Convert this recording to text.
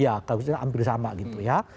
ya hampir sama gitu ya